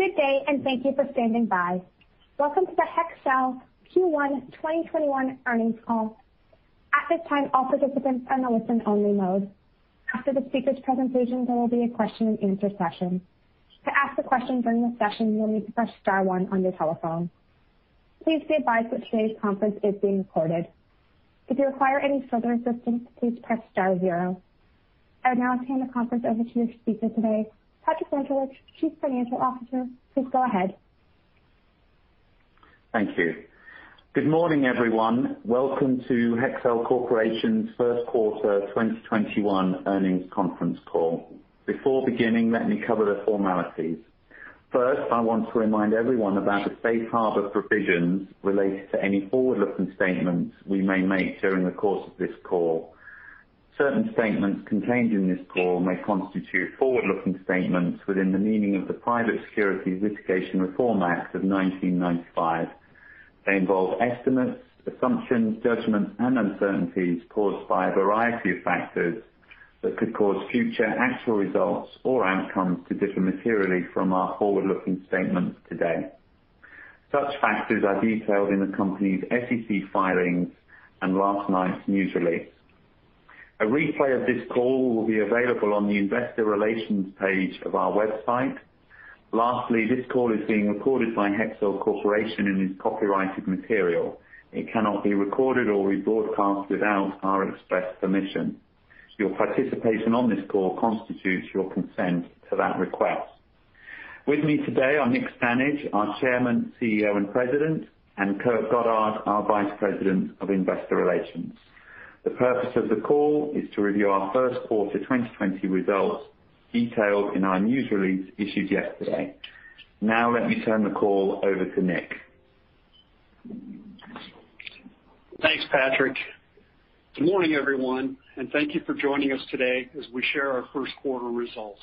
Good day, and thank you for standing by. Welcome to the Hexcel Q1 2021 earnings call. At this time, all participants are in listen only mode. After the speakers' presentation, there will be a question and answer session. To ask a question during the session, you'll need to press star one on your telephone. Please be advised that today's conference is being recorded. If you require any further assistance, please press star zero. I would now turn the conference over to your speaker today, Patrick Winterlich, Chief Financial Officer. Please go ahead. Thank you. Good morning, everyone. Welcome to Hexcel Corporation's first quarter 2021 earnings conference call. Before beginning, let me cover the formalities. First, I want to remind everyone about the safe harbor provisions related to any forward-looking statements we may make during the course of this call. Certain statements contained in this call may constitute forward-looking statements within the meaning of the Private Securities Litigation Reform Act of 1995. They involve estimates, assumptions, judgments, and uncertainties caused by a variety of factors that could cause future actual results or outcomes to differ materially from our forward-looking statements today. Such factors are detailed in the company's SEC filings and last night's news release. A replay of this call will be available on the investor relations page of our website. Lastly, this call is being recorded by Hexcel Corporation and is copyrighted material. It cannot be recorded or rebroadcast without our express permission. Your participation on this call constitutes your consent to that request. With me today are Nick Stanage, our Chairman, CEO, and President, and Kurt Goddard, our Vice President of Investor Relations. The purpose of the call is to review our first quarter 2020 results detailed in our news release issued yesterday. Now let me turn the call over to Nick. Thanks, Patrick. Good morning, everyone, and thank you for joining us today as we share our first quarter results.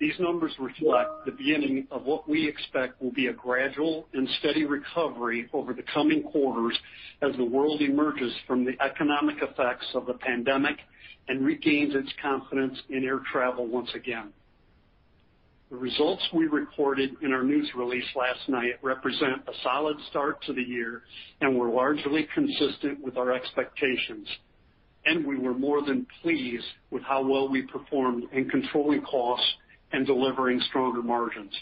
These numbers reflect the beginning of what we expect will be a gradual and steady recovery over the coming quarters as the world emerges from the economic effects of the pandemic and regains its confidence in air travel once again. The results we recorded in our news release last night represent a solid start to the year and were largely consistent with our expectations. We were more than pleased with how well we performed in controlling costs and delivering stronger margins.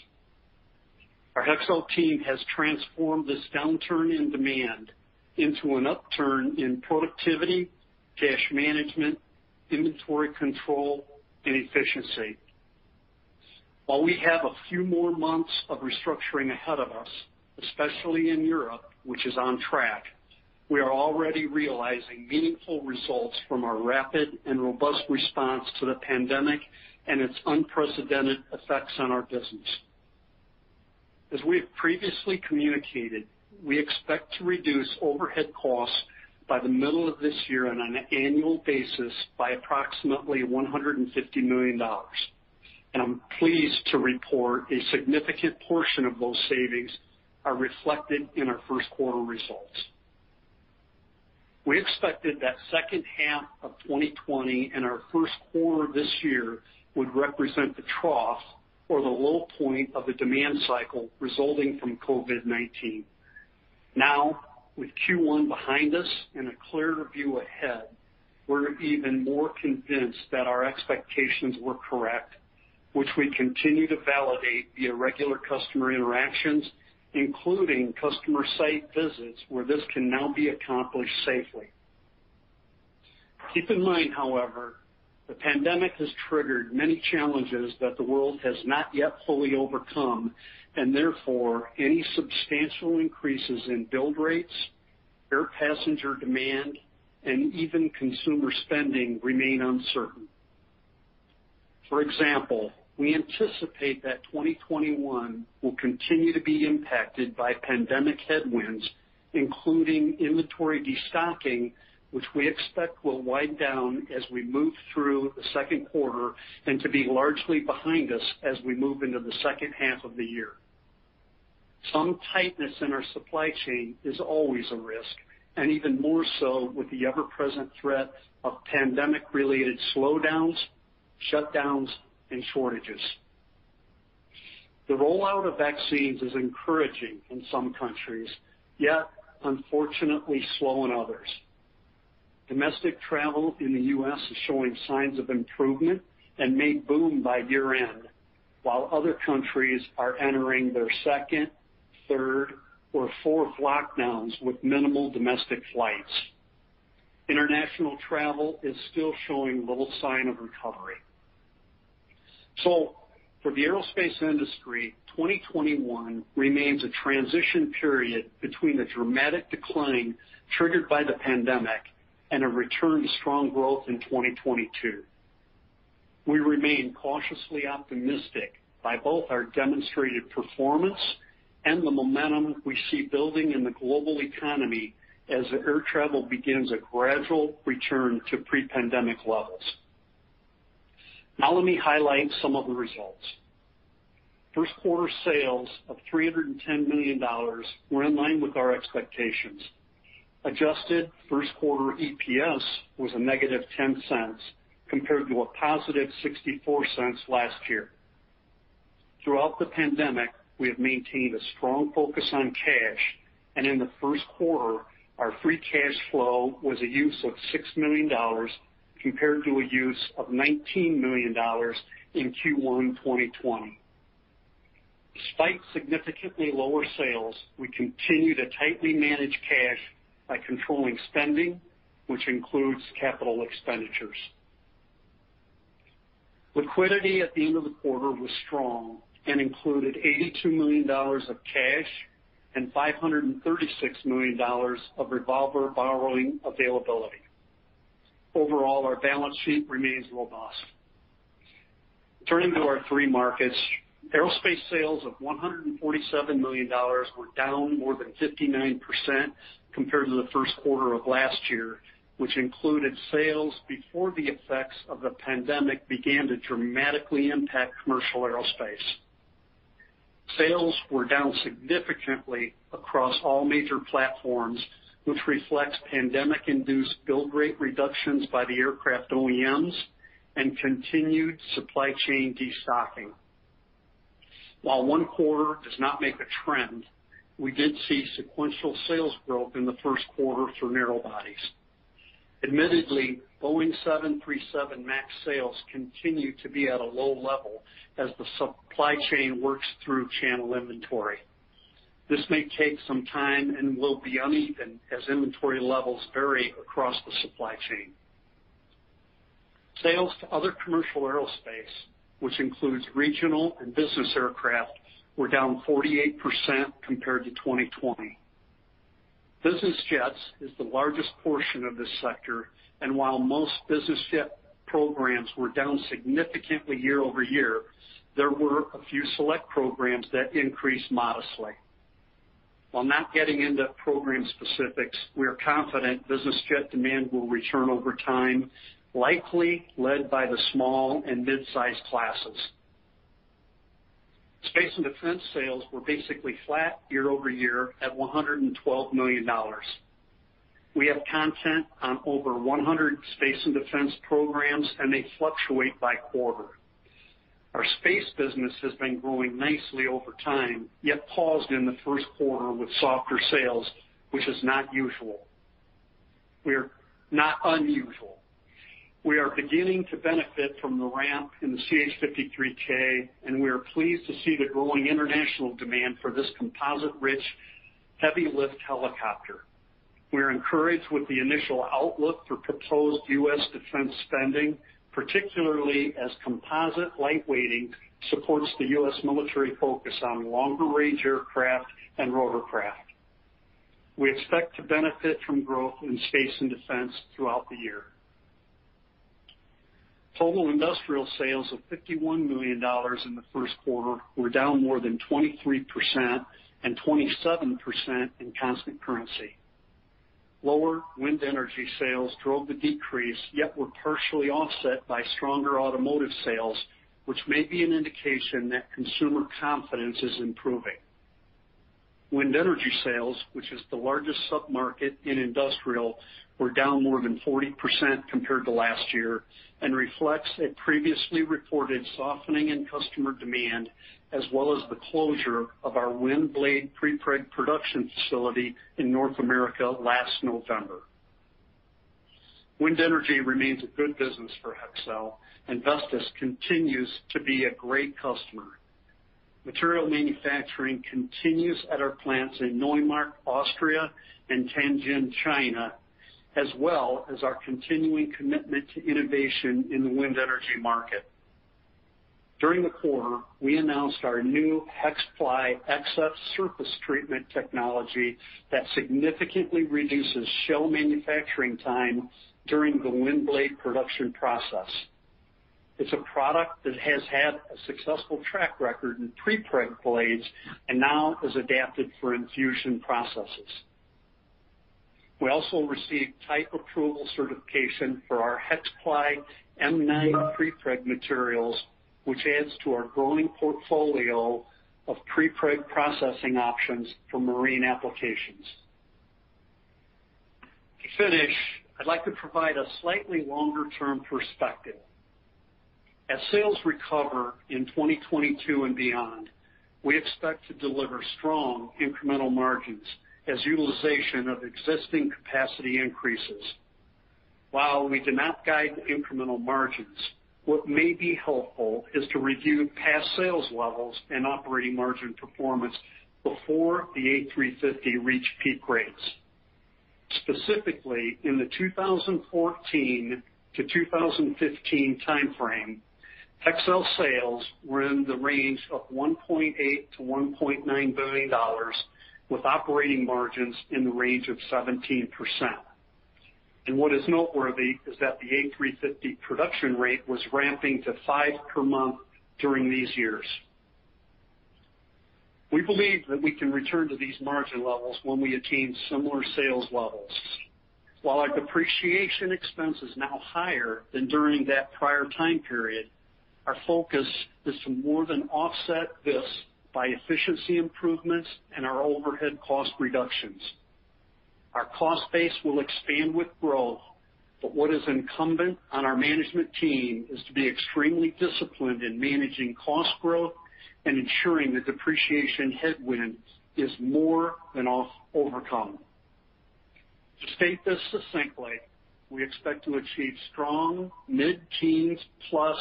Our Hexcel team has transformed this downturn in demand into an upturn in productivity, cash management, inventory control, and efficiency. While we have a few more months of restructuring ahead of us, especially in Europe, which is on track, we are already realizing meaningful results from our rapid and robust response to the pandemic and its unprecedented effects on our business. I'm pleased to report a significant portion of those savings are reflected in our first quarter results. As we have previously communicated, we expect to reduce overhead costs by the middle of this year on an annual basis by approximately $150 million. We expected that second half of 2020 and our first quarter this year would represent the trough or the low point of the demand cycle resulting from COVID-19. With Q1 behind us and a clearer view ahead, we're even more convinced that our expectations were correct, which we continue to validate via regular customer interactions, including customer site visits where this can now be accomplished safely. Keep in mind, however, the pandemic has triggered many challenges that the world has not yet fully overcome, therefore, any substantial increases in build rates, air passenger demand, and even consumer spending remain uncertain. For example, we anticipate that 2021 will continue to be impacted by pandemic headwinds, including inventory de-stocking, which we expect will wind down as we move through the second quarter and to be largely behind us as we move into the second half of the year. Some tightness in our supply chain is always a risk, even more so with the ever-present threat of pandemic-related slowdowns, shutdowns, and shortages. The rollout of vaccines is encouraging in some countries, yet unfortunately slow in others. Domestic travel in the U.S. is showing signs of improvement and may boom by year-end, while other countries are entering their second, third, or fourth lockdowns with minimal domestic flights. International travel is still showing little sign of recovery. For the aerospace industry, 2021 remains a transition period between the dramatic decline triggered by the pandemic and a return to strong growth in 2022. We remain cautiously optimistic by both our demonstrated performance and the momentum we see building in the global economy as air travel begins a gradual return to pre-pandemic levels. Let me highlight some of the results. First quarter sales of $310 million were in line with our expectations. Adjusted first quarter EPS was a negative $0.10 compared to a positive $0.64 last year. Throughout the pandemic, we have maintained a strong focus on cash, and in the first quarter, our free cash flow was a use of $6 million compared to a use of $19 million in Q1 2020. Despite significantly lower sales, we continue to tightly manage cash by controlling spending, which includes capital expenditures. Liquidity at the end of the quarter was strong and included $82 million of cash and $536 million of revolver borrowing availability. Overall, our balance sheet remains robust. Turning to our three markets, aerospace sales of $147 million were down more than 59% compared to the first quarter of last year, which included sales before the effects of the pandemic began to dramatically impact commercial aerospace. Sales were down significantly across all major platforms, which reflects pandemic-induced build rate reductions by the aircraft OEMs and continued supply chain de-stocking. While one quarter does not make a trend, we did see sequential sales growth in the first quarter for narrow-bodies. Admittedly, Boeing 737 MAX sales continue to be at a low level as the supply chain works through channel inventory. This may take some time and will be uneven as inventory levels vary across the supply chain. Sales to other commercial aerospace, which includes regional and business aircraft, were down 48% compared to 2020. Business jets is the largest portion of this sector, and while most business jet programs were down significantly year-over-year, there were a few select programs that increased modestly. While not getting into program specifics, we are confident business jet demand will return over time, likely led by the small and mid-size classes. Space and defense sales were basically flat year-over-year at $112 million. We have content on over 100 space and defense programs, and they fluctuate by quarter. Our space business has been growing nicely over time, yet paused in the first quarter with softer sales, which is not usual. Not unusual. We are beginning to benefit from the ramp in the CH-53K, and we are pleased to see the growing international demand for this composite-rich, heavy-lift helicopter. We are encouraged with the initial outlook for proposed U.S. defense spending, particularly as composite lightweighting supports the U.S. military focus on longer-range aircraft and rotorcraft. We expect to benefit from growth in space and defense throughout the year. Total industrial sales of $51 million in the first quarter were down more than 23% and 27% in constant currency. Lower wind energy sales drove the decrease, yet were partially offset by stronger automotive sales, which may be an indication that consumer confidence is improving. Wind energy sales, which is the largest sub-market in industrial, were down more than 40% compared to last year and reflects a previously reported softening in customer demand, as well as the closure of our wind blade prepreg production facility in North America last November. Wind energy remains a good business for Hexcel, and Vestas continues to be a great customer. Material manufacturing continues at our plants in Neumarkt, Austria and Tianjin, China, as well as our continuing commitment to innovation in the wind energy market. During the quarter, we announced our new HexPly XF surface treatment technology that significantly reduces shell manufacturing time during the wind blade production process. It's a product that has had a successful track record in prepreg blades and now is adapted for infusion processes. We also received type approval certification for our HexPly M9 prepreg materials, which adds to our growing portfolio of prepreg processing options for marine applications. To finish, I'd like to provide a slightly longer-term perspective. As sales recover in 2022 and beyond, we expect to deliver strong incremental margins as utilization of existing capacity increases. While we do not guide incremental margins, what may be helpful is to review past sales levels and operating margin performance before the A350 reached peak rates. Specifically in the 2014 to 2015 time frame, Hexcel sales were in the range of $1.8 billion-$1.9 billion with operating margins in the range of 17%. What is noteworthy is that the A350 production rate was ramping to five per month during these years. We believe that we can return to these margin levels when we attain similar sales levels. While our depreciation expense is now higher than during that prior time period, our focus is to more than offset this by efficiency improvements and our overhead cost reductions. Our cost base will expand with growth, but what is incumbent on our management team is to be extremely disciplined in managing cost growth and ensuring the depreciation headwind is more than overcome. To state this succinctly, we expect to achieve strong mid-teens plus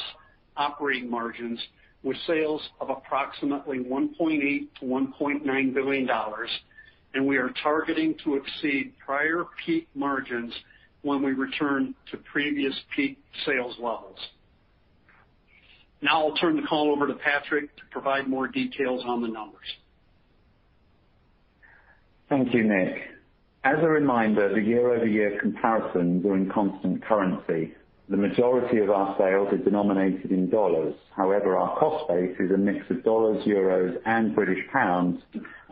operating margins with sales of approximately $1.8 billion-$1.9 billion, and we are targeting to exceed prior peak margins when we return to previous peak sales levels. Now I'll turn the call over to Patrick to provide more details on the numbers. Thank you, Nick. As a reminder, the year-over-year comparisons are in constant currency. The majority of our sales are denominated in dollars. However, our cost base is a mix of dollars, euros, and British pounds,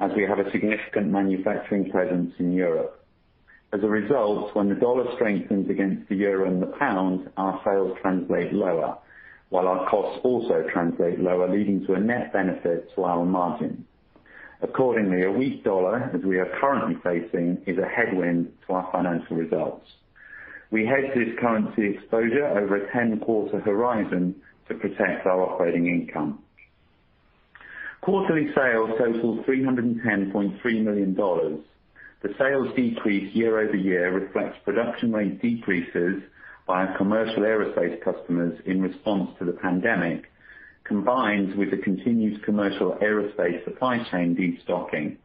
as we have a significant manufacturing presence in Europe. When the dollar strengthens against the euro and the pound, our sales translate lower, while our costs also translate lower, leading to a net benefit to our margin. A weak dollar, as we are currently facing, is a headwind to our financial results. We hedge this currency exposure over a 10-quarter horizon to protect our operating income. Quarterly sales totaled $310.3 million. The sales decrease year-over-year reflects production rate decreases by our commercial aerospace customers in response to the pandemic, combined with the continued commercial aerospace supply chain de-stocking.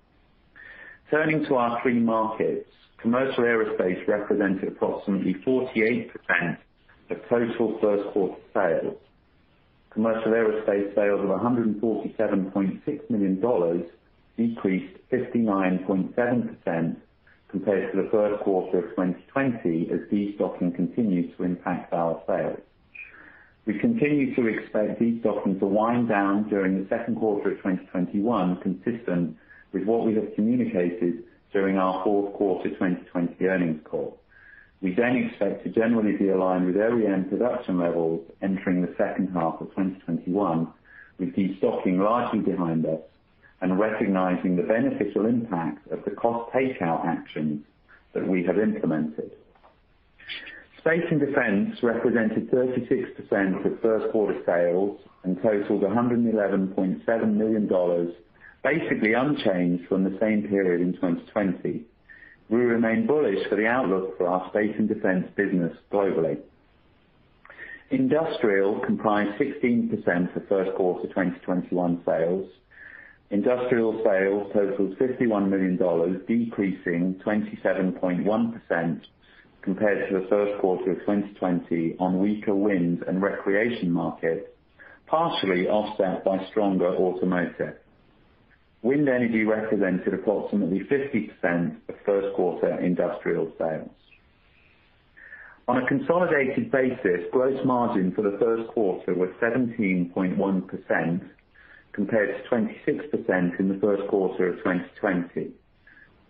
Turning to our three markets, commercial aerospace represented approximately 48% of total first quarter sales. Commercial aerospace sales of $147.6 million decreased 59.7% compared to the first quarter of 2020, as de-stocking continues to impact our sales. We continue to expect de-stocking to wind down during the second quarter of 2021, consistent with what we have communicated during our fourth quarter 2020 earnings call. We expect to generally be aligned with OEM production levels entering the second half of 2021, with de-stocking largely behind us and recognizing the beneficial impact of the cost takeout actions that we have implemented. Space and defense represented 36% of first quarter sales and totaled $111.7 million, basically unchanged from the same period in 2020. We remain bullish for the outlook for our space and defense business globally. Industrial comprised 16% of first quarter 2021 sales. Industrial sales totaled $51 million, decreasing 27.1% compared to the first quarter of 2020 on weaker wind and recreation markets, partially offset by stronger automotive. Wind energy represented approximately 50% of first quarter industrial sales. On a consolidated basis, gross margin for the first quarter was 17.1% compared to 26% in the first quarter of 2020.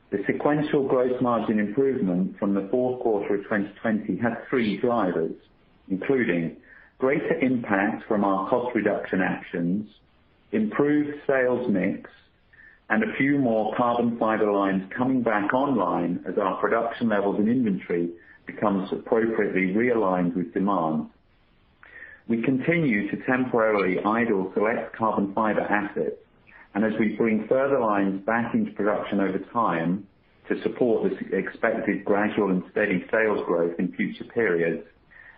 The sequential gross margin improvement from the fourth quarter of 2020 had three drivers, including greater impact from our cost reduction actions, improved sales mix, and a few more carbon fiber lines coming back online as our production levels and inventory becomes appropriately realigned with demand. We continue to temporarily idle select carbon fiber assets, and as we bring further lines back into production over time to support this expected gradual and steady sales growth in future periods,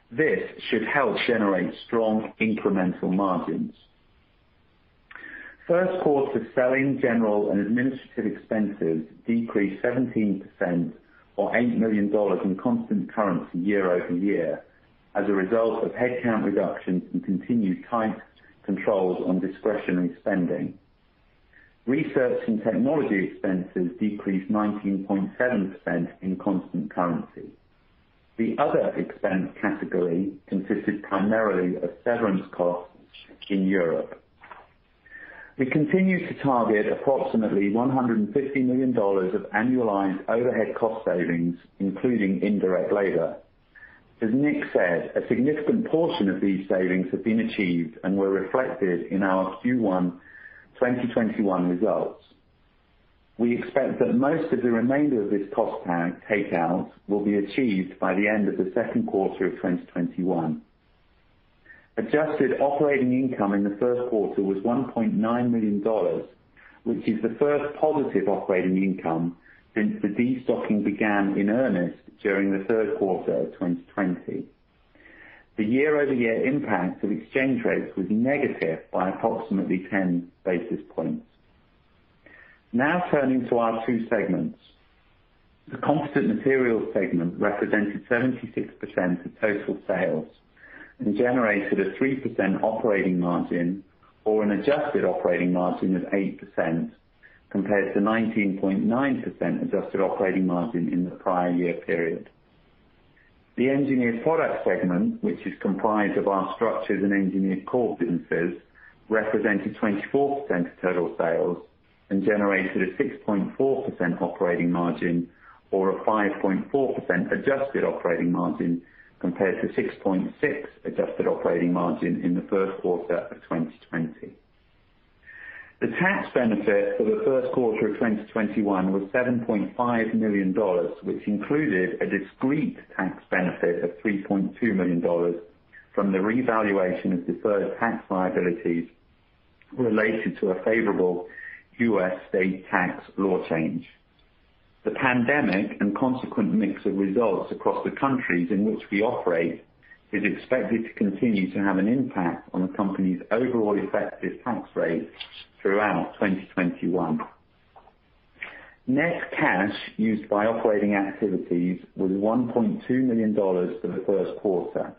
this should help generate strong incremental margins. First quarter selling, general, and administrative expenses decreased 17% or $8 million in constant currency year-over-year as a result of headcount reductions and continued tight controls on discretionary spending. Research and technology expenses decreased 19.7% in constant currency. The other expense category consisted primarily of severance costs in Europe. We continue to target approximately $150 million of annualized overhead cost savings, including indirect labor. As Nick said, a significant portion of these savings have been achieved and were reflected in our Q1 2021 results. We expect that most of the remainder of this cost takeout will be achieved by the end of the second quarter of 2021. Adjusted operating income in the first quarter was $1.9 million, which is the first positive operating income since the de-stocking began in earnest during the third quarter of 2020. The year-over-year impact of exchange rates was negative by approximately 10 basis points. Turning to our two segments. The Composite Materials segment represented 76% of total sales and generated a 3% operating margin or an adjusted operating margin of 8% compared to 19.9% adjusted operating margin in the prior year period. The Engineered Products segment, which is comprised of our structures and engineered core businesses, represented 24% of total sales and generated a 6.4% operating margin or a 5.4% adjusted operating margin compared to 6.6% adjusted operating margin in the first quarter of 2020. The tax benefit for the first quarter of 2021 was $7.5 million, which included a discrete tax benefit of $3.2 million from the revaluation of deferred tax liabilities related to a favorable U.S. state tax law change. The pandemic and consequent mix of results across the countries in which we operate is expected to continue to have an impact on the company's overall effective tax rate throughout 2021. Net cash used by operating activities was $1.2 million for the first quarter.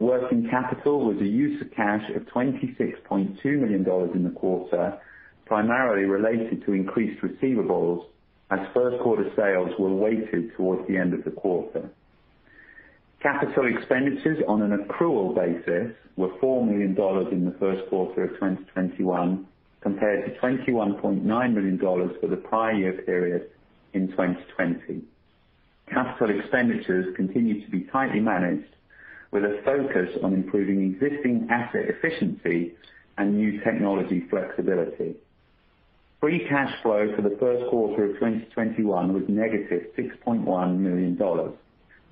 Working capital was a use of cash of $26.2 million in the quarter, primarily related to increased receivables as first quarter sales were weighted towards the end of the quarter. Capital expenditures on an accrual basis were $4 million in the first quarter of 2021 compared to $21.9 million for the prior year period in 2020. Capital expenditures continue to be tightly managed with a focus on improving existing asset efficiency and new technology flexibility. Free cash flow for the first quarter of 2021 was negative $6.1 million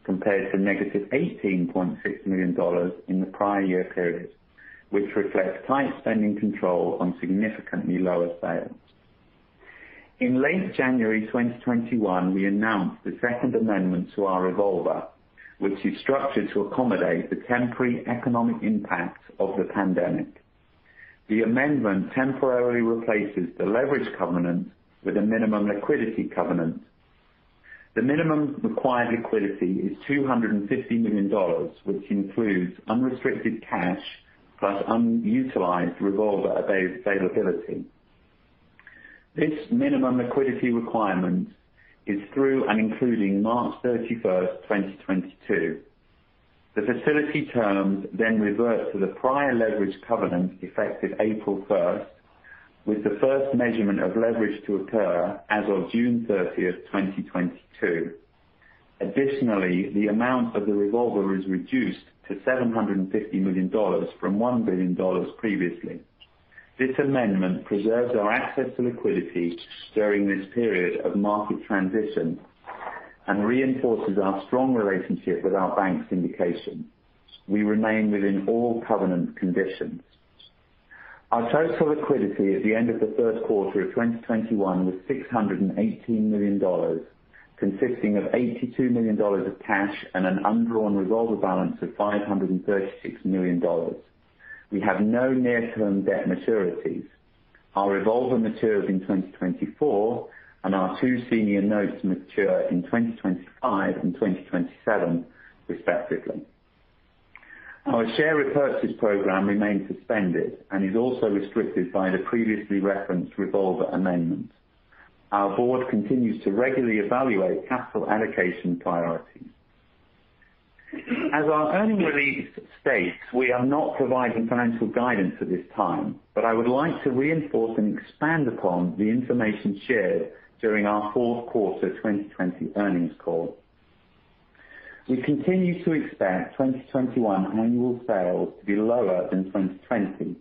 compared to negative $18.6 million in the prior year period, which reflects tight spending control on significantly lower sales. In late January 2021, we announced the second amendment to our revolver, which is structured to accommodate the temporary economic impact of the pandemic. The amendment temporarily replaces the leverage covenant with a minimum liquidity covenant. The minimum required liquidity is $250 million, which includes unrestricted cash plus unutilized revolver availability. This minimum liquidity requirement is through and including March 31st, 2022. The facility terms then revert to the prior leverage covenant effective April 1st, with the first measurement of leverage to occur as of June 30th, 2022. Additionally, the amount of the revolver is reduced to $750 million from $1 billion previously. This amendment preserves our access to liquidity during this period of market transition and reinforces our strong relationship with our bank syndication. We remain within all covenant conditions. Our total liquidity at the end of the first quarter of 2021 was $618 million, consisting of $82 million of cash and an undrawn revolver balance of $536 million. We have no near-term debt maturities. Our revolver matures in 2024, and our two senior notes mature in 2025 and 2027, respectively. Our share repurchase program remains suspended and is also restricted by the previously referenced revolver amendment. Our board continues to regularly evaluate capital allocation priorities. As our earnings release states, we are not providing financial guidance at this time, but I would like to reinforce and expand upon the information shared during our fourth quarter 2020 earnings call. We continue to expect 2021 annual sales to be lower than 2020.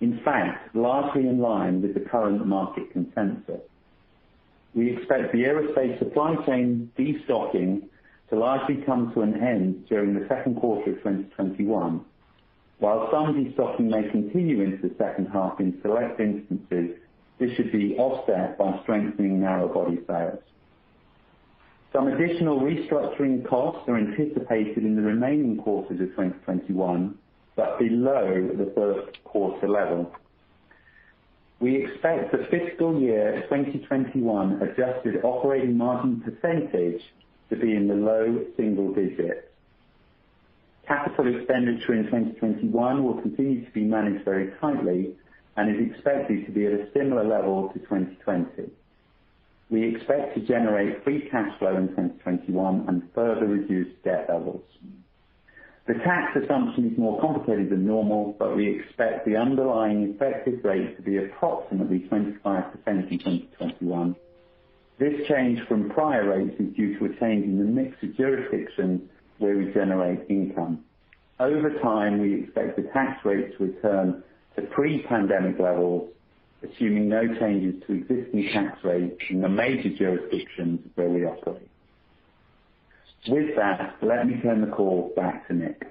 In fact, largely in line with the current market consensus. We expect the aerospace supply chain de-stocking to largely come to an end during the second quarter of 2021. While some de-stocking may continue into the second half in select instances, this should be offset by strengthening narrow-body sales. Some additional restructuring costs are anticipated in the remaining quarters of 2021, but below the first quarter level. We expect the fiscal year 2021 adjusted operating margin percentage to be in the low single digits. Capital expenditure in 2021 will continue to be managed very tightly and is expected to be at a similar level to 2020. We expect to generate free cash flow in 2021 and further reduce debt levels. The tax assumption is more complicated than normal, but we expect the underlying effective rate to be approximately 25% in 2021. This change from prior rates is due to a change in the mix of jurisdictions where we generate income. Over time, we expect the tax rate to return to pre-pandemic levels, assuming no changes to existing tax rates in the major jurisdictions where we operate. With that, let me turn the call back to Nick.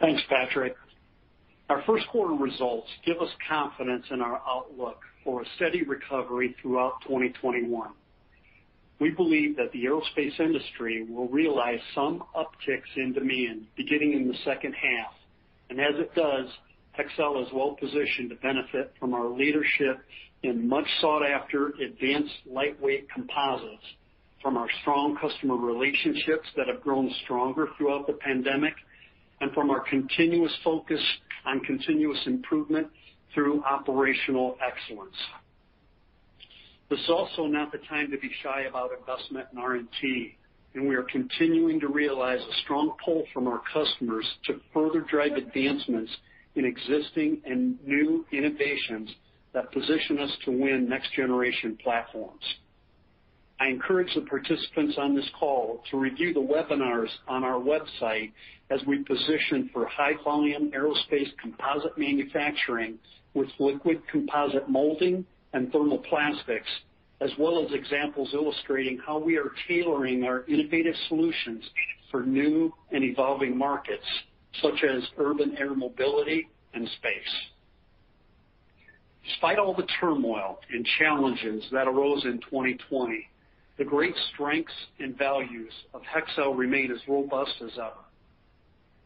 Thanks, Patrick. Our first quarter results give us confidence in our outlook for a steady recovery throughout 2021. We believe that the aerospace industry will realize some upticks in demand beginning in the second half, and as it does, Hexcel is well positioned to benefit from our leadership in much sought-after advanced lightweight composites from our strong customer relationships that have grown stronger throughout the pandemic, and from our continuous focus on continuous improvement through operational excellence. This is also not the time to be shy about investment in R&T, and we are continuing to realize a strong pull from our customers to further drive advancements in existing and new innovations that position us to win next-generation platforms. I encourage the participants on this call to review the webinars on our website as we position for high-volume aerospace composite manufacturing with liquid composite molding and thermoplastics, as well as examples illustrating how we are tailoring our innovative solutions for new and evolving markets, such as urban air mobility and space. Despite all the turmoil and challenges that arose in 2020, the great strengths and values of Hexcel remain as robust as ever.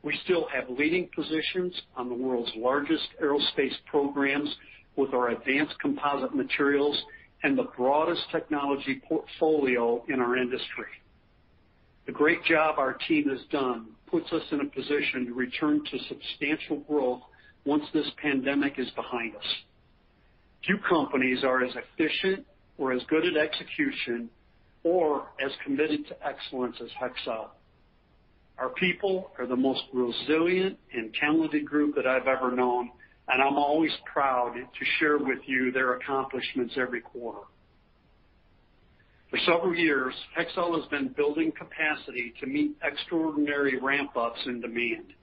We still have leading positions on the world's largest aerospace programs with our advanced composite materials and the broadest technology portfolio in our industry. The great job our team has done puts us in a position to return to substantial growth once this pandemic is behind us. Few companies are as efficient or as good at execution or as committed to excellence as Hexcel. Our people are the most resilient and talented group that I've ever known, and I'm always proud to share with you their accomplishments every quarter. For several years, Hexcel has been building capacity to meet extraordinary ramp-ups in demand,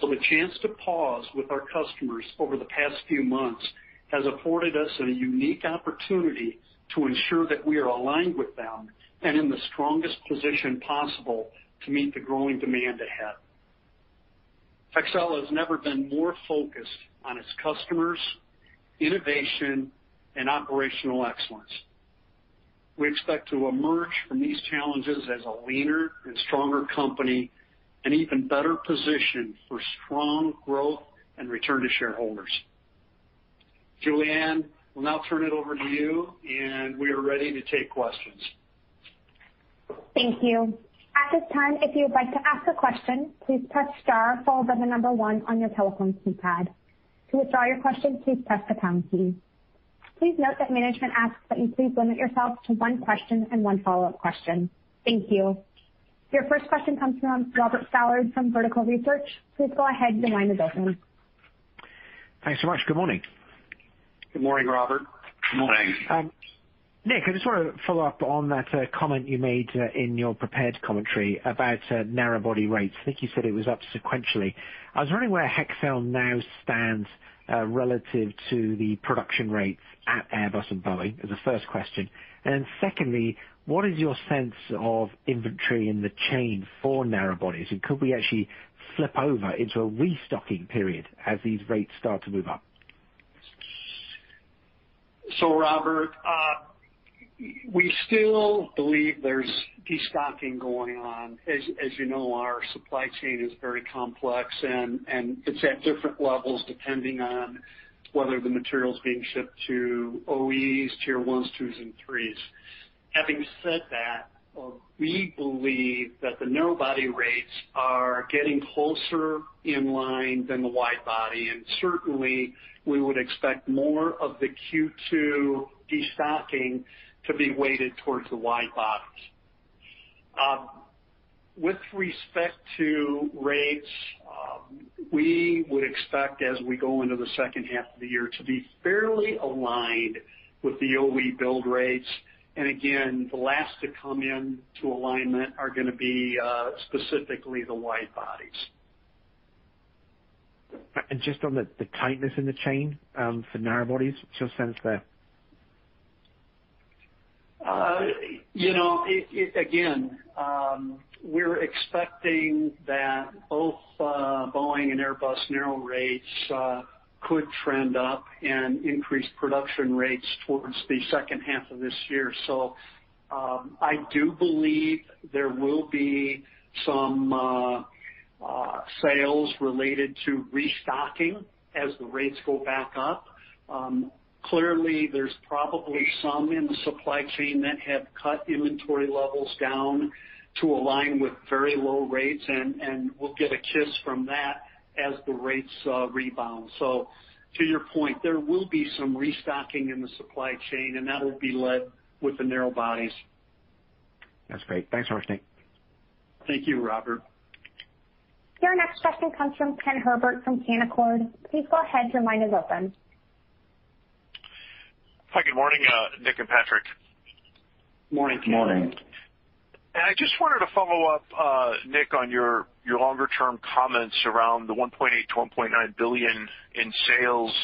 so the chance to pause with our customers over the past few months has afforded us a unique opportunity to ensure that we are aligned with them and in the strongest position possible to meet the growing demand ahead. Hexcel has never been more focused on its customers, innovation, and operational excellence. We expect to emerge from these challenges as a leaner and stronger company and even better positioned for strong growth and return to shareholders. Julianne, we'll now turn it over to you, and we are ready to take questions. Thank you. At this time, if you would like to ask a question, please press star followed by the number one on your telephone keypad. To withdraw your question, please press the star key. Please note that management asks that you please limit yourself to one question and one follow-up question. Thank you. Your first question comes from Robert Stallard from Vertical Research. Please go ahead. Your line is open. Thanks so much. Good morning. Good morning, Robert. Good morning. Nick, I just want to follow up on that comment you made in your prepared commentary about narrow-body rates. I think you said it was up sequentially. I was wondering where Hexcel now stands relative to the production rates at Airbus and Boeing, as a first question. Secondly, what is your sense of inventory in the chain for narrow-bodies? Could we actually flip over into a re-stocking period as these rates start to move up? Robert, we still believe there's destocking going on. As you know, our supply chain is very complex, and it's at different levels depending on whether the material's being shipped to OEs, Tier 1s, 2s, and 3s. Having said that, we believe that the narrow-body rates are getting closer in line than the wide-body, and certainly, we would expect more of the Q2 destocking to be weighted towards the wide-bodies. With respect to rates, we would expect as we go into the second half of the year to be fairly aligned with the OE build rates. Again, the last to come into alignment are going to be specifically the wide-bodies. Just on the tightness in the chain for narrow bodies, what's your sense there? Again, we're expecting that both Boeing and Airbus narrow-body rates could trend up and increase production rates towards the second half of this year. I do believe there will be some sales related to restocking as the rates go back up. Clearly, there's probably some in the supply chain that have cut inventory levels down to align with very low rates, and we'll get a kiss from that as the rates rebound. To your point, there will be some restocking in the supply chain, and that will be led with the narrow-bodies. That's great. Thanks for watching. Thank you, Robert. Your next question comes from Ken Herbert from Canaccord. Please go ahead. Your line is open. Hi, good morning, Nick and Patrick. Morning. Morning. I just wanted to follow up, Nick, on your longer-term comments around the $1.8 billion-$1.9 billion in sales,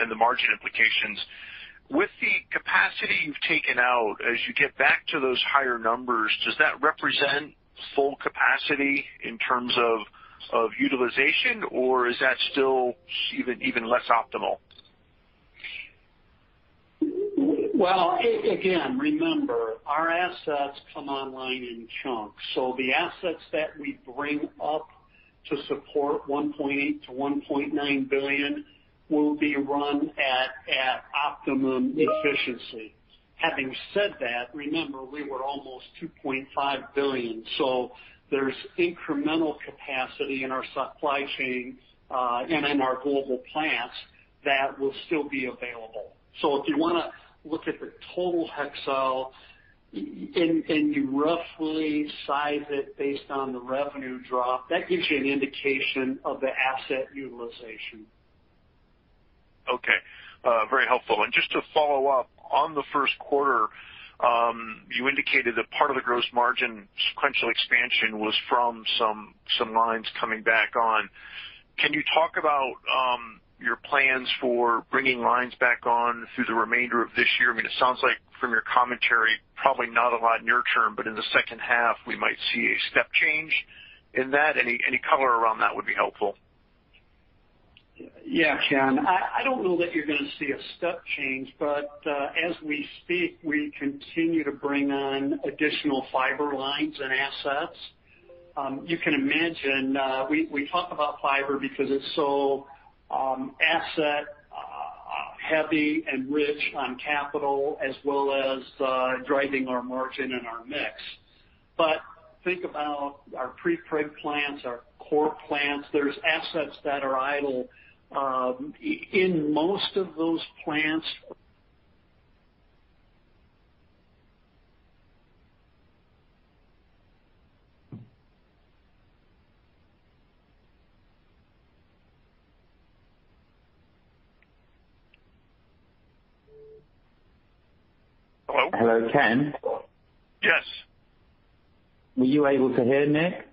and the margin implications. With the capacity you've taken out, as you get back to those higher numbers, does that represent full capacity in terms of utilization, or is that still even less optimal? Again, remember, our assets come online in chunks. The assets that we bring up to support $1.8 billion-$1.9 billion will be run at optimum efficiency. Having said that, remember, we were almost $2.5 billion. There's incremental capacity in our supply chain and in our global plants that will still be available. If you want to look at the total Hexcel, and you roughly size it based on the revenue drop, that gives you an indication of the asset utilization. Okay. Very helpful. Just to follow up, on the first quarter, you indicated that part of the gross margin sequential expansion was from some lines coming back on. Can you talk about your plans for bringing lines back on through the remainder of this year? It sounds like from your commentary, probably not a lot near-term, but in the second half, we might see a step change in that. Any color around that would be helpful. Yeah, Ken, I don't know that you're going to see a step change. As we speak, we continue to bring on additional fiber lines and assets. You can imagine, we talk about fiber because it's so asset heavy and rich on capital, as well as driving our margin and our mix. Think about our prepreg plants, our core plants. There's assets that are idle in most of those plants. Hello? Hello, Ken? Yes. Were you able to hear Nick?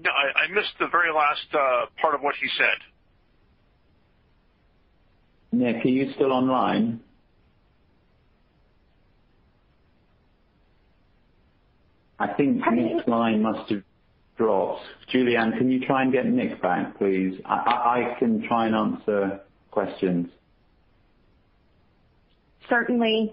No, I missed the very last part of what he said. Nick, are you still online? I think Nick's line must have dropped. Julianne, can you try and get Nick back, please? I can try and answer questions. Certainly.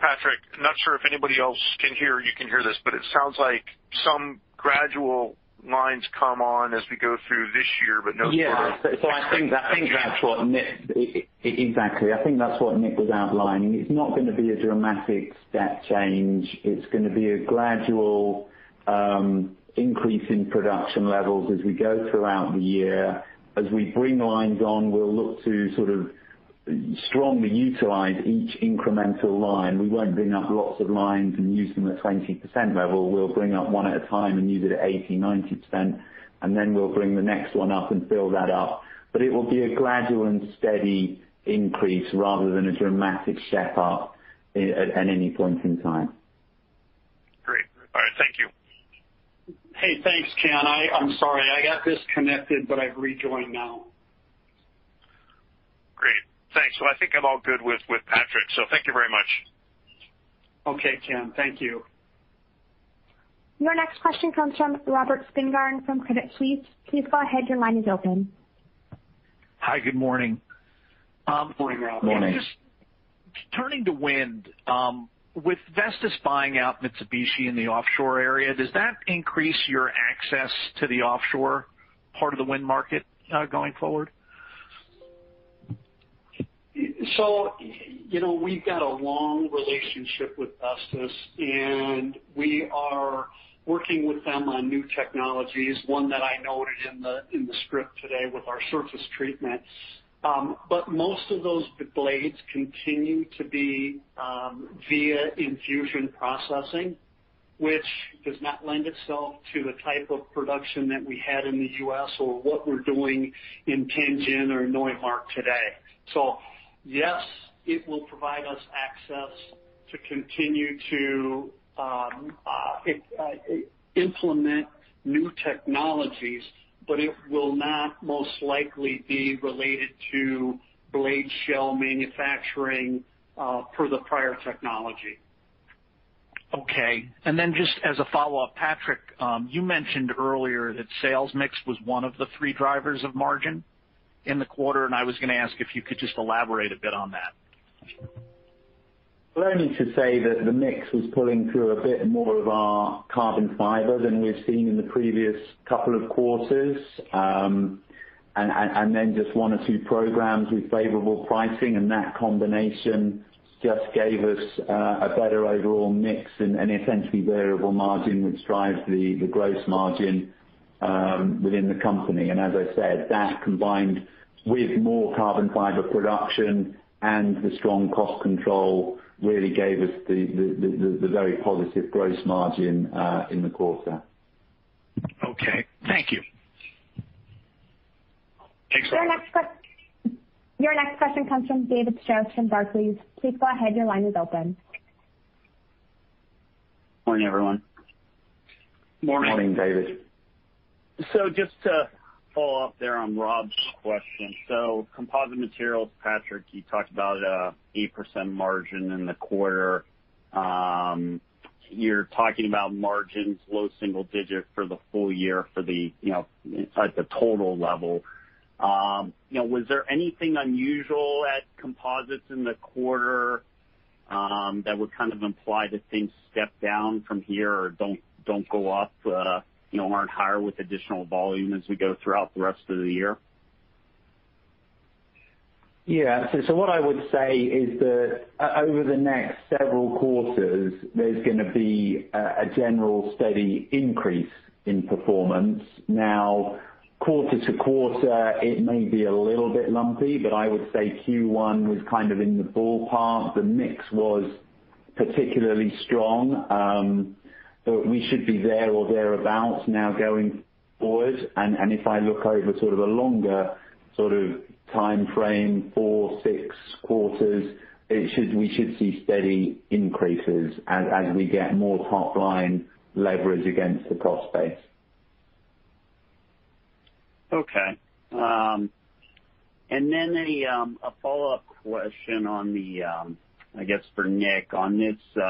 Patrick, not sure if anybody else can hear or you can hear this, but it sounds like some gradual lines come on as we go through this year. Yeah. Exactly. I think that's what Nick was outlining. It's not going to be a dramatic step change. It's going to be a gradual increase in production levels as we go throughout the year. As we bring lines on, we'll look to strongly utilize each incremental line. We won't bring up lots of lines and use them at 20% level. We'll bring up one at a time and use it at 80, 90%. Then we'll bring the next one up and build that up. It will be a gradual and steady increase rather than a dramatic step up at any point in time. Great. All right. Thank you. Hey, thanks, Ken. I'm sorry. I got disconnected, but I've rejoined now. Great. Thanks. I think I'm all good with Patrick. Thank you very much. Okay. Ken, thank you. Your next question comes from Robert Spingarn from Credit Suisse. Please go ahead. Your line is open. Hi, good morning. Morning, Rob. Morning. Just turning to wind. With Vestas buying out Mitsubishi in the offshore area, does that increase your access to the offshore part of the wind market going forward? We've got a long relationship with Vestas, and we are working with them on new technologies, one that I noted in the script today with our surface treatment. Most of those blades continue to be via infusion processing, which does not lend itself to the type of production that we had in the U.S. or what we're doing in Tianjin or Neumarkt today. Yes, it will provide us access to continue to implement new technologies, but it will not most likely be related to blade shell manufacturing per the prior technology. Okay. Just as a follow-up, Patrick, you mentioned earlier that sales mix was one of the three drivers of margin in the quarter. I was going to ask if you could just elaborate a bit on that. Well, only to say that the mix was pulling through a bit more of our carbon fiber than we've seen in the previous couple of quarters. Just one or two programs with favorable pricing, and that combination just gave us a better overall mix and essentially variable margin, which drives the gross margin within the company. As I said, that combined with more carbon fiber production and the strong cost control really gave us the very positive gross margin in the quarter. Okay. Thank you. Thanks, Rob. Your next question comes from David Strauss from Barclays. Please go ahead. Your line is open. Morning, everyone. Morning. Morning, David. Just to follow up there on Rob's question. Composite Materials, Patrick, you talked about an 8% margin in the quarter. You're talking about margins, low single digit for the full year at the total level. Was there anything unusual at Composites in the quarter that would kind of imply that things step down from here or don't go up or aren't higher with additional volume as we go throughout the rest of the year? Yeah. What I would say is that over the next several quarters, there's going to be a general steady increase in performance. Quarter-to-quarter, it may be a little bit lumpy, but I would say Q1 was kind of in the ballpark. The mix was particularly strong, but we should be there or thereabouts now going forward. If I look over sort of a longer sort of timeframe, four, six quarters, we should see steady increases as we get more top-line leverage against the cost base. Okay. A follow-up question on the, I guess for Nick, on this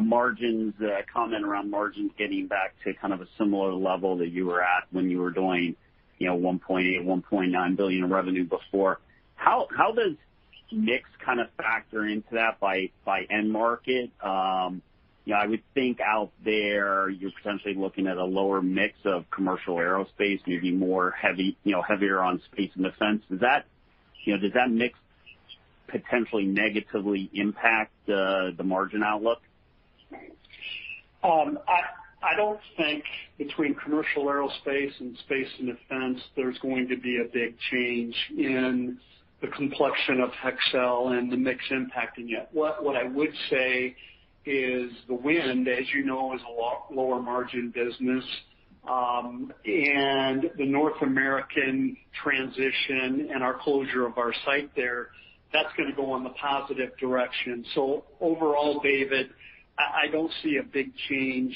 margins comment around margins getting back to kind of a similar level that you were at when you were doing $1.8 billion-$1.9 billion in revenue before. How does mix kind of factor into that by end market? I would think out there you're potentially looking at a lower mix of commercial aerospace, maybe more heavier on space and defense. Does that mix potentially negatively impact the margin outlook? I don't think between commercial aerospace and space and defense, there's going to be a big change in the complexion of Hexcel and the mix impacting it. What I would say is the wind, as you know, is a lot lower margin business. The North American transition and our closure of our site there, that's going to go in the positive direction. Overall, David, I don't see a big change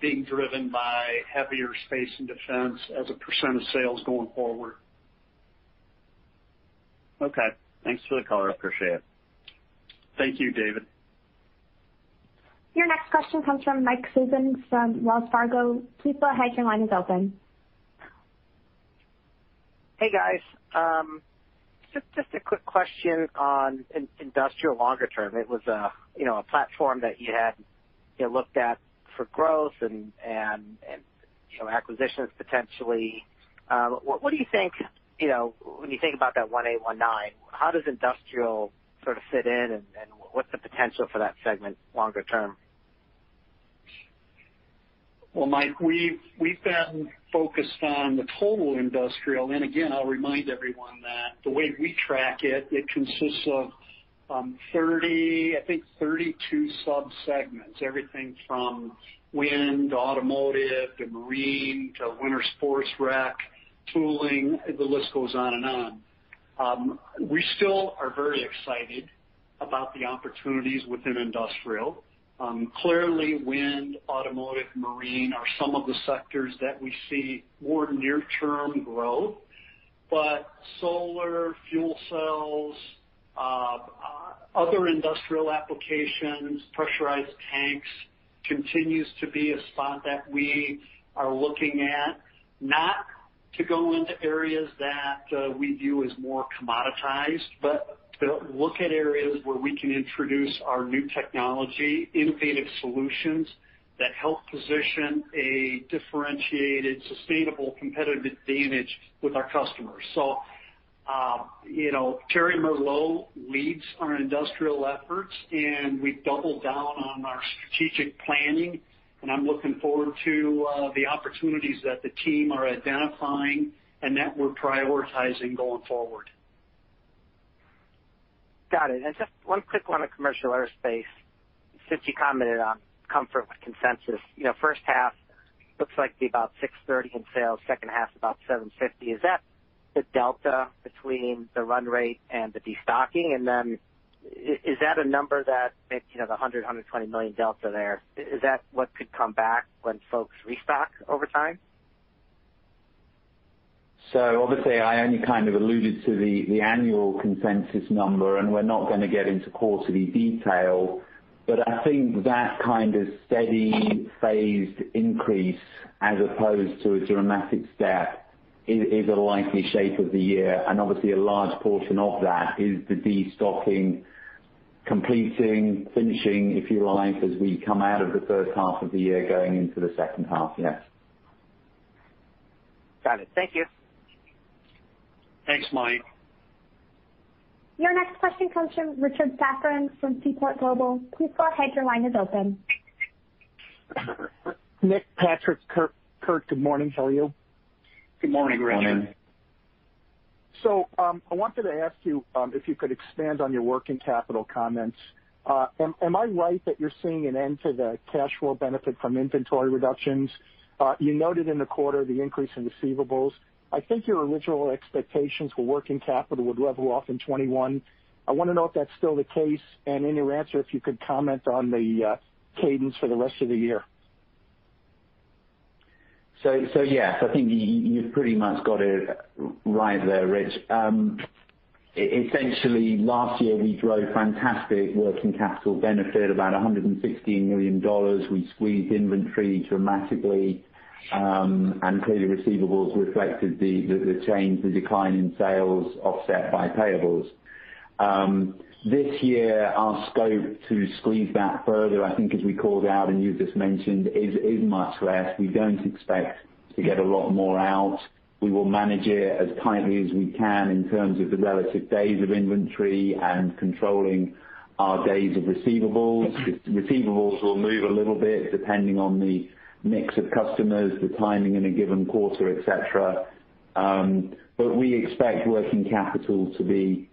being driven by heavier space and defense as a percentage of sales going forward. Okay. Thanks for the color. I appreciate it. Thank you, David. Your next question comes from Mike Sison from Wells Fargo. Please go ahead, your line is open. Hey, guys. Just a quick question on industrial longer term. It was a platform that you had looked at for growth and acquisitions potentially. What do you think when you think about that 1819, how does industrial sort of fit in and what's the potential for that segment longer term? Well, Mike, we've been focused on the total industrial. Again, I'll remind everyone that the way we track it consists of 32 sub-segments. Everything from wind to automotive to marine to winter sports rec, tooling, the list goes on and on. We still are very excited about the opportunities within industrial. Clearly, wind, automotive, marine are some of the sectors that we see more near term growth. Solar, fuel cells, other industrial applications, pressurized tanks continues to be a spot that we are looking at, not to go into areas that we view as more commoditized, but to look at areas where we can introduce our new technology, innovative solutions that help position a differentiated, sustainable competitive advantage with our customers. Thierry Merlot leads our industrial efforts, and we've doubled down on our strategic planning, and I'm looking forward to the opportunities that the team are identifying and that we're prioritizing going forward. Got it. Just one quick one on commercial aerospace. Since you commented on comfort with consensus. First half looks like it'll be about $630 in sales, second half about $750. Is that the delta between the run rate and the de-stocking? Is that a number that, the $100 million-$120 million delta there, is that what could come back when folks restock over time? Obviously, I only kind of alluded to the annual consensus number, and we're not going to get into quarterly detail. I think that kind of steady phased increase as opposed to a dramatic step is a likely shape of the year. Obviously a large portion of that is the de-stocking completing, finishing, if you like, as we come out of the first half of the year going into the second half, yes. Got it. Thank you. Thanks, Mike. Your next question comes from Richard Safran from Seaport Global. Please go ahead, your line is open. Nick, Patrick, Kurt, good morning to all of you. Good morning. Morning. I wanted to ask you if you could expand on your working capital comments. Am I right that you're seeing an end to the cash flow benefit from inventory reductions? You noted in the quarter the increase in receivables. I think your original expectations for working capital would level off in 2021. I want to know if that's still the case, and in your answer, if you could comment on the cadence for the rest of the year. Yes, I think you've pretty much got it right there, Rich. Essentially, last year we drove fantastic working capital benefit, about $116 million. We squeezed inventory dramatically, and clearly receivables reflected the change, the decline in sales offset by payables. This year, our scope to squeeze that further, I think as we called out and you just mentioned, is much less. We don't expect to get a lot more out. We will manage it as tightly as we can in terms of the relative days of inventory and controlling our days of receivables. Receivables will move a little bit depending on the mix of customers, the timing in a given quarter, et cetera. We expect working capital to be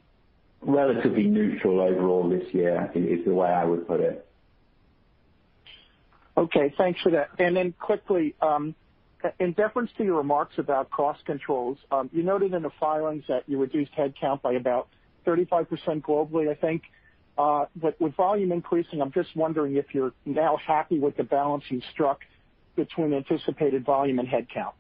relatively neutral overall this year, is the way I would put it. Okay, thanks for that. Quickly, in deference to your remarks about cost controls, you noted in the filings that you reduced headcount by about 35% globally, I think. With volume increasing, I'm just wondering if you're now happy with the balance you struck between anticipated volume and headcount.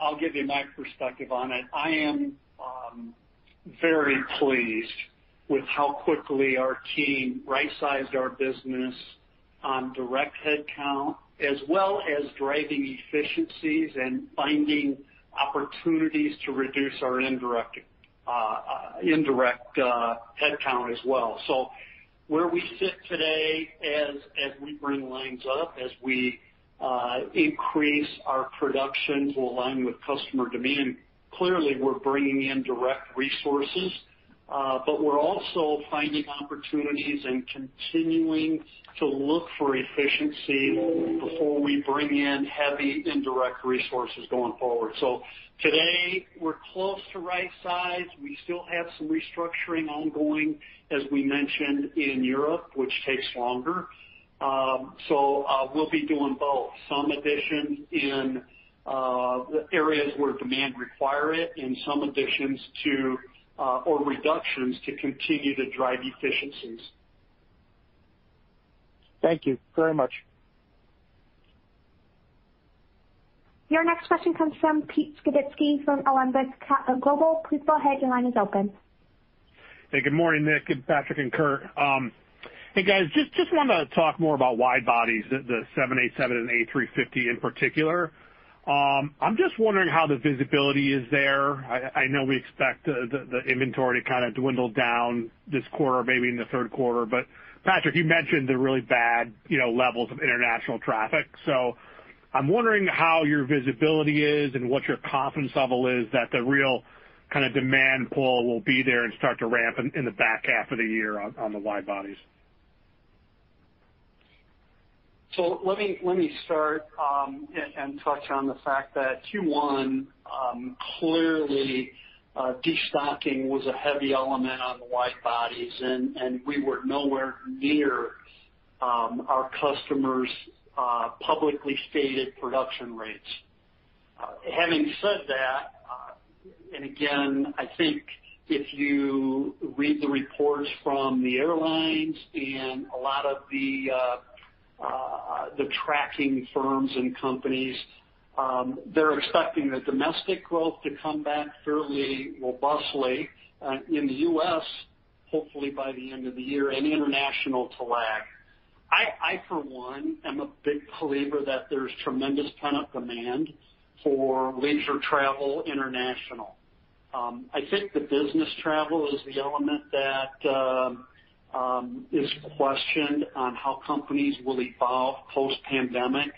I'll give you my perspective on it. I am very pleased with how quickly our team right-sized our business on direct headcount, as well as driving efficiencies and finding opportunities to reduce our indirect headcount as well. Where we sit today, as we bring lines up, as we increase our production to align with customer demand, clearly we're bringing in direct resources. We're also finding opportunities and continuing to look for efficiency before we bring in heavy indirect resources going forward. Today, we're close to right size. We still have some restructuring ongoing, as we mentioned, in Europe, which takes longer. We'll be doing both. Some additions in areas where demand require it, and some additions to, or reductions to continue to drive efficiencies. Thank you very much. Your next question comes from Pete Skibitski from Alembic Capital Global. Please go ahead. Your line is open. Hey, good morning, Nick, Patrick, and Kurt. Hey, guys, just wanted to talk more about wide-bodies, the 787 and A350 in particular. I'm just wondering how the visibility is there. I know we expect the inventory to kind of dwindle down this quarter, maybe in the third quarter. Patrick, you mentioned the really bad levels of international traffic. I'm wondering how your visibility is and what your confidence level is that the real kind of demand pull will be there and start to ramp in the back half of the year on the wide-bodies. Let me start and touch on the fact that Q1, clearly, de-stocking was a heavy element on the wide-bodies, and we were nowhere near our customers' publicly stated production rates. Having said that, and again, I think if you read the reports from the airlines and a lot of the tracking firms and companies, they're expecting the domestic growth to come back fairly robustly in the U.S. hopefully by the end of the year, and international to lag. I, for one, am a big believer that there's tremendous pent-up demand for leisure travel international. I think the business travel is the element that is questioned on how companies will evolve post-pandemic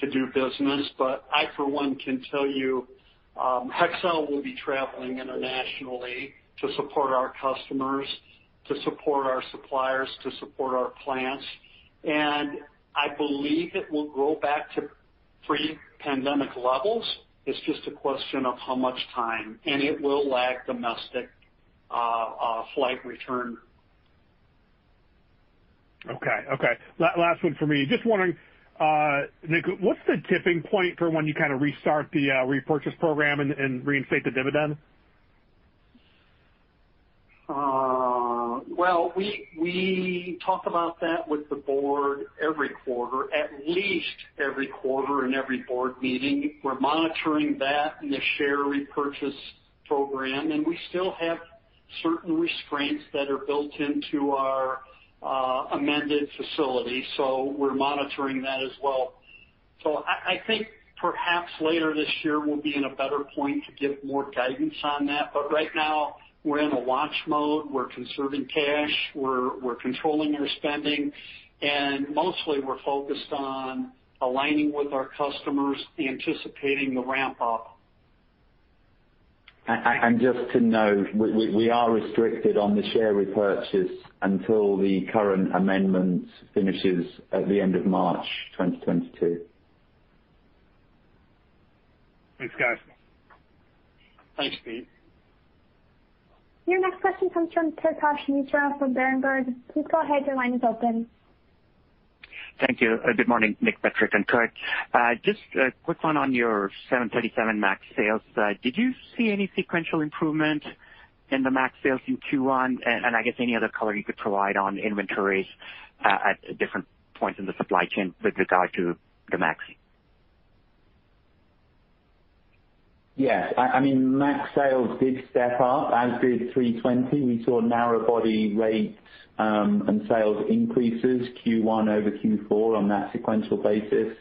to do business. But I, for one, can tell you Hexcel will be traveling internationally to support our customers, to support our suppliers, to support our plants, and I believe it will grow back to pre-pandemic levels. It's just a question of how much time, and it will lag domestic flight return. Okay. Last one from me. Just wondering, Nick, what's the tipping point for when you kind of restart the repurchase program and reinstate the dividend? Well, we talk about that with the board every quarter, at least every quarter in every board meeting. We're monitoring that in the share repurchase program, we still have certain restraints that are built into our amended facility. We're monitoring that as well. I think perhaps later this year, we'll be in a better point to give more guidance on that. Right now, we're in a watch mode. We're conserving cash. Mostly we're focused on aligning with our customers, anticipating the ramp-up. Just to note, we are restricted on the share repurchase until the current amendment finishes at the end of March 2022. Thanks, guys. Thanks, Pete. Your next question comes from Akash Mitra from Berenberg. Please go ahead. Your line is open. Thank you. Good morning, Nick, Patrick, and Kurt. Just a quick one on your 737 MAX sales. Did you see any sequential improvement in the MAX sales in Q1? I guess any other color you could provide on inventories at different points in the supply chain with regard to the MAX. Yes. I mean, MAX sales did step up, as did A320. We saw narrow-body rates and sales increases Q1 over Q4 on that sequential basis,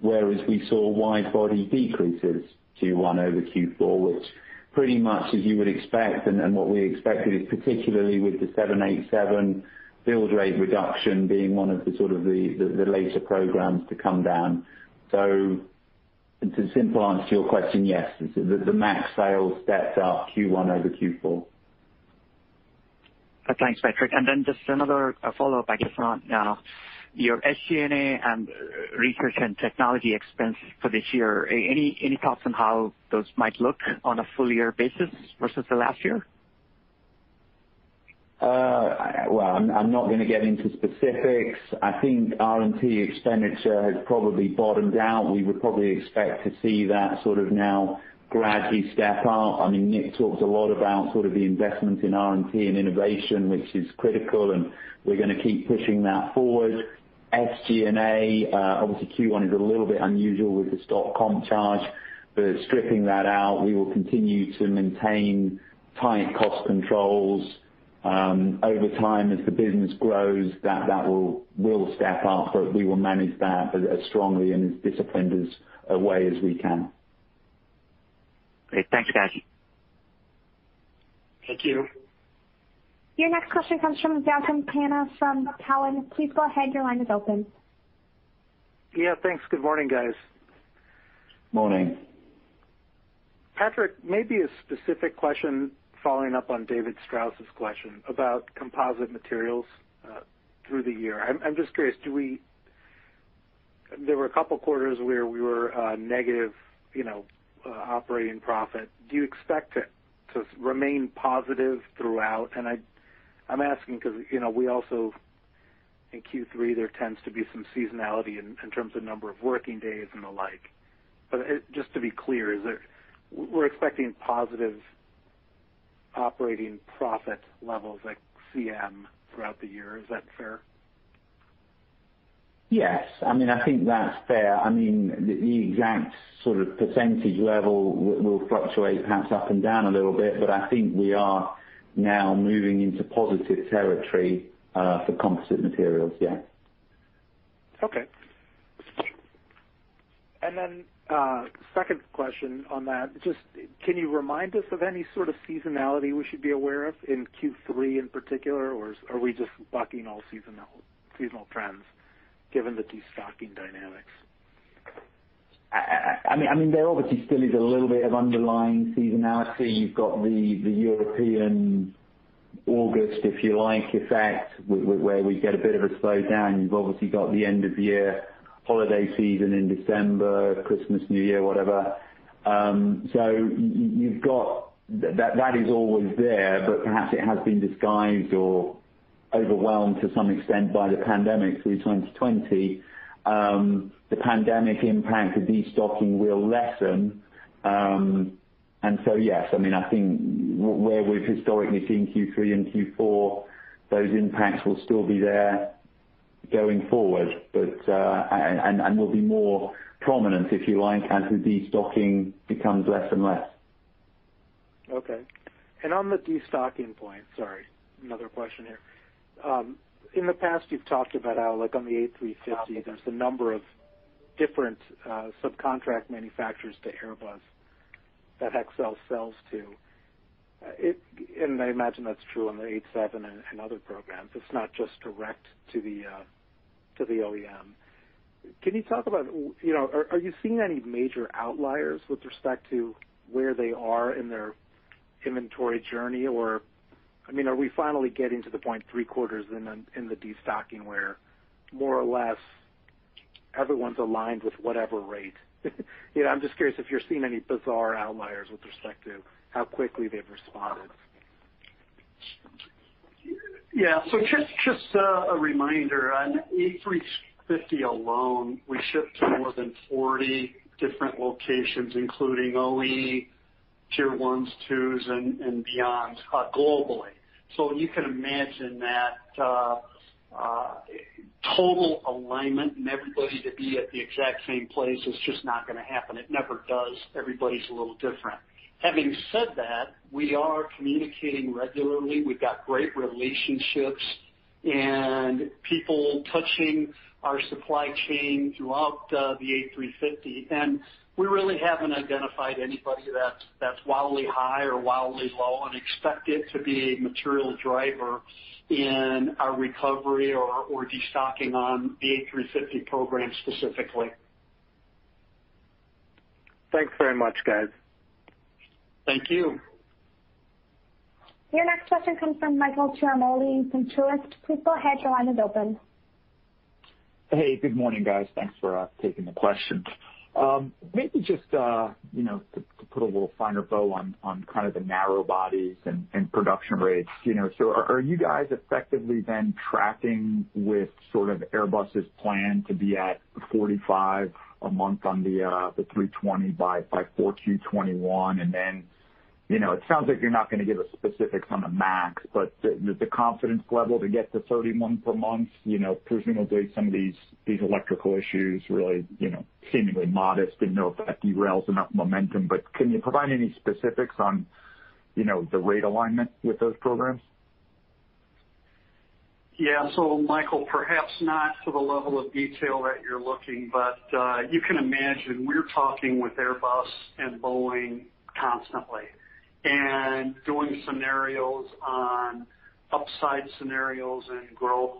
whereas we saw wide-body decreases Q1 over Q4, which pretty much as you would expect, and what we expected, particularly with the 787 build rate reduction being one of the later programs to come down. The simple answer to your question, yes. The MAX sales stepped up Q1 over Q4. Thanks, Patrick. Then just another follow-up, I guess, on your SG&A and research and technology expense for this year. Any thoughts on how those might look on a full year basis versus the last year? I'm not going to get into specifics. I think R&T expenditure has probably bottomed out. We would probably expect to see that now gradually step up. I mean, Nick talks a lot about sort of the investment in R&T and innovation, which is critical, and we're going to keep pushing that forward. SG&A, obviously Q1 is a little bit unusual with the stock comp charge, but stripping that out, we will continue to maintain tight cost controls. Over time, as the business grows, that will step up, but we will manage that as strongly and as disciplined a way as we can. Great. Thank you, guys. Thank you. Your next question comes from Gautam Khanna from Cowen. Please go ahead, your line is open. Yeah, thanks. Good morning, guys. Morning. Patrick, maybe a specific question following up on David Strauss's question about Composite Materials through the year. I'm just curious, there were a couple quarters where we were negative operating profit. Do you expect it to remain positive throughout? I'm asking because we also, in Q3, there tends to be some seasonality in terms of number of working days and the like. Just to be clear, we're expecting positive operating profit levels at CM throughout the year. Is that fair? Yes. I think that's fair. I mean, the exact sort of percentage level will fluctuate perhaps up and down a little bit, but I think we are now moving into positive territory for Composite Materials, yeah. Okay. Then, second question on that, just can you remind us of any sort of seasonality we should be aware of in Q3 in particular, or are we just bucking all seasonal trends given the de-stocking dynamics? I mean, there obviously still is a little bit of underlying seasonality. You've got the European August, if you like, effect, where we get a bit of a slowdown. You've obviously got the end-of-year holiday season in December, Christmas, New Year, whatever. That is always there, but perhaps it has been disguised or overwhelmed to some extent by the pandemic through 2020. The pandemic impact of de-stocking will lessen. Yes, I think where we've historically seen Q3 and Q4, those impacts will still be there going forward, and will be more prominent, if you like, as the de-stocking becomes less and less. Okay. On the de-stocking point, sorry, another question here. In the past, you've talked about how, like on the A350, there's a number of different subcontract manufacturers to Airbus that Hexcel sells to. I imagine that's true on the 787 and other programs. It's not just direct to the OEM. Can you talk about, are you seeing any major outliers with respect to where they are in their inventory journey? Or are we finally getting to the point three quarters in the de-stocking where more or less everyone's aligned with whatever rate? I'm just curious if you're seeing any bizarre outliers with respect to how quickly they've responded? Yeah. Just a reminder, on A350 alone, we ship to more than 40 different locations, including OE, Tier 1s, 2s, and beyond, globally. You can imagine that total alignment and everybody to be at the exact same place is just not going to happen. It never does. Everybody's a little different. Having said that, we are communicating regularly. We've got great relationships and people touching our supply chain throughout the A350, and we really haven't identified anybody that's wildly high or wildly low and expect it to be a material driver in our recovery or de-stocking on the A350 program specifically. Thanks very much, guys. Thank you. Your next question comes from Michael Ciarmoli from Truist. Please go ahead. Your line is open. Hey, good morning, guys. Thanks for taking the question. Maybe just to put a little finer bow on kind of the narrow bodies and production rates. Are you guys effectively then tracking with sort of Airbus's plan to be at 45 a month on the A320 by 4Q 2021? It sounds like you're not going to give us specifics on the MAX, but the confidence level to get to 31 month per month, presumably some of these electrical issues really seemingly modest, didn't know if that derails enough momentum. Can you provide any specifics on the rate alignment with those programs? Yeah. Michael, perhaps not to the level of detail that you're looking, but you can imagine, we're talking with Airbus and Boeing constantly, and doing scenarios on upside scenarios and growth,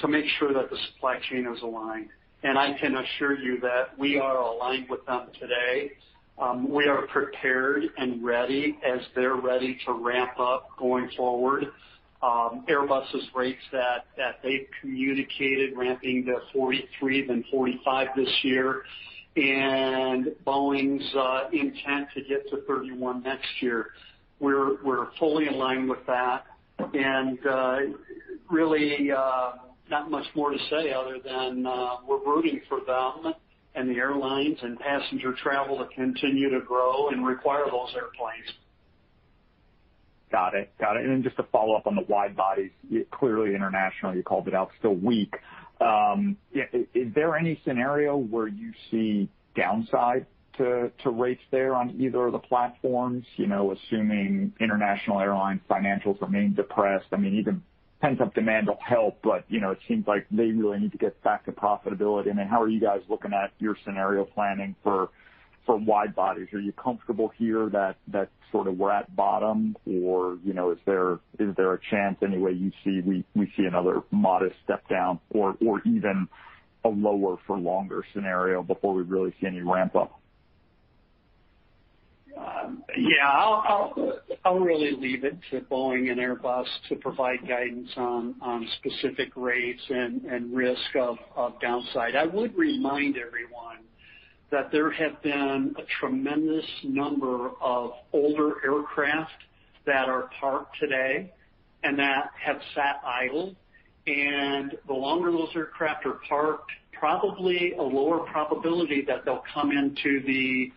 to make sure that the supply chain is aligned. I can assure you that we are aligned with them today. We are prepared and ready as they're ready to ramp up going forward. Airbus's rates that they've communicated ramping to 43, then 45 this year, and Boeing's intent to get to 31 next year. We're fully aligned with that, and really not much more to say other than we're rooting for them and the airlines and passenger travel to continue to grow and require those airplanes. Got it. Just to follow up on the wide-body, clearly international, you called it out, still weak. Is there any scenario where you see downside to rates there on either of the platforms, assuming international airline financials remain depressed? Even pent-up demand will help, but it seems like they really need to get back to profitability. How are you guys looking at your scenario planning for wide-body? Are you comfortable here that sort of we're at bottom? Or is there a chance any way we see another modest step down or even a lower for longer scenario before we really see any ramp-up? Yeah. I'll really leave it to Boeing and Airbus to provide guidance on specific rates and risk of downside. I would remind everyone that there have been a tremendous number of older aircraft that are parked today and that have sat idle. The longer those aircraft are parked, probably a lower probability that they'll come into the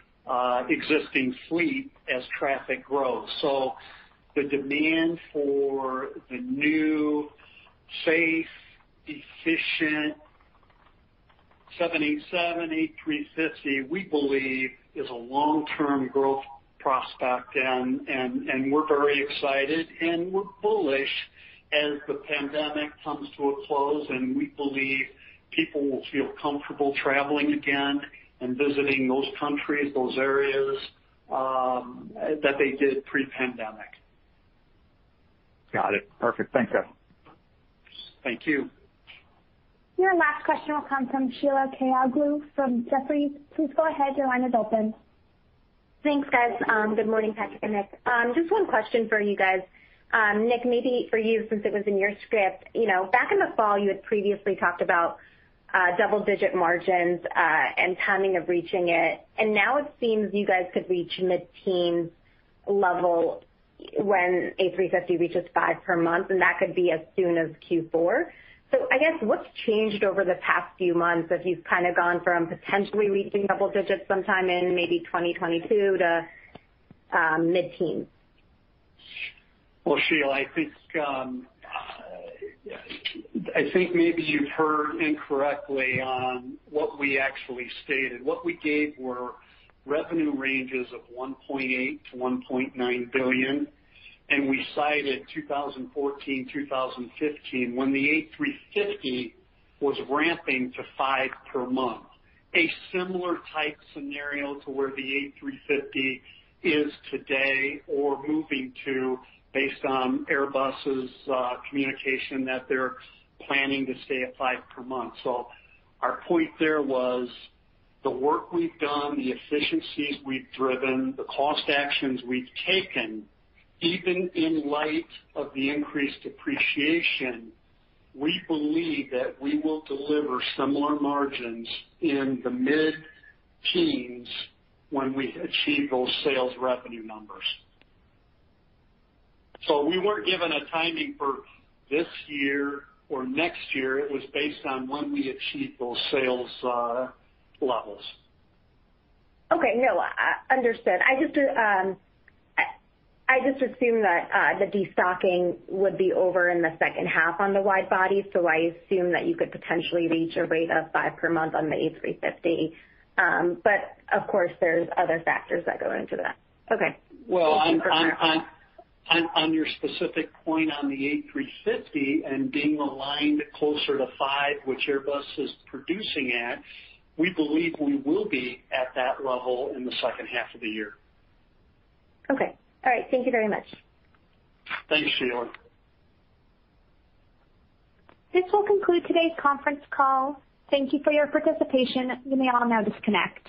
existing fleet as traffic grows. The demand for the new, safe, efficient 787, A350, we believe, is a long-term growth prospect, and we're very excited, and we're bullish as the pandemic comes to a close, and we believe people will feel comfortable traveling again and visiting those countries, those areas that they did pre-pandemic. Got it. Perfect. Thank you. Thank you. Your last question will come from Sheila Kahyaoglu from Jefferies. Please go ahead. Your line is open. Thanks, guys. Good morning, Patrick and Nick. Just one question for you guys. Nick, maybe for you since it was in your script. Back in the fall, you had previously talked about double-digit margins, and timing of reaching it, and now it seems you guys could reach mid-teens level when A350 reaches five per month, and that could be as soon as Q4. I guess, what's changed over the past few months as you've kind of gone from potentially reaching double digits sometime in maybe 2022 to mid-teens? Well, Sheila, I think maybe you've heard incorrectly on what we actually stated. What we gave were revenue ranges of $1.8 billion-$1.9 billion, and we cited 2014, 2015, when the A350 was ramping to five per month. A similar type scenario to where the A350 is today, or moving to based on Airbus' communication that they're planning to stay at five per month. Our point there was the work we've done, the efficiencies we've driven, the cost actions we've taken, even in light of the increased depreciation, we believe that we will deliver similar margins in the mid-teens when we achieve those sales revenue numbers. We weren't given a timing for this year or next year. It was based on when we achieve those sales levels. Okay. No, understood. I just assumed that the de-stocking would be over in the second half on the wide bodies, so I assumed that you could potentially reach a rate of five per month on the A350. Of course, there's other factors that go into that. Okay. Well, on your specific point on the A350 and being aligned closer to five, which Airbus is producing at, we believe we will be at that level in the second half of the year. Okay. All right. Thank you very much. Thanks, Sheila. This will conclude today's conference call. Thank you for your participation. You may all now disconnect.